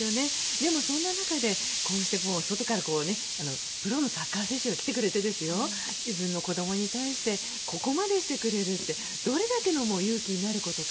でも、そんな中でこうして外からプロのサッカー選手が来てくれて自分の子どもに対してここまでしてくれるってどれだけの勇気になることか。